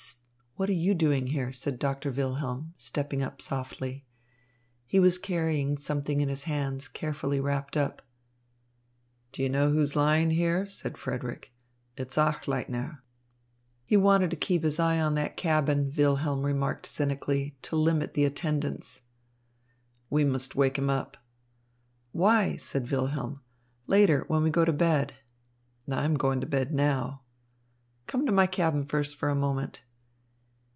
"Sst! What are you doing here?" said Doctor Wilhelm, stepping up softly. He was carrying something in his hands carefully wrapped up. "Do you know who is lying here?" said Frederick. "It is Achleitner." "He wanted to keep his eye on that cabin," Wilhelm remarked cynically, "to limit the attendance." "We must wake him up." "Why?" said Wilhelm. "Later, when we go to bed." "I am going to bed now." "Come to my cabin first for a moment."